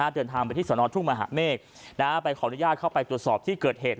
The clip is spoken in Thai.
เดินทางไปที่สนทุ่งมหาเมฆไปขออนุญาตเข้าไปตรวจสอบที่เกิดเหตุ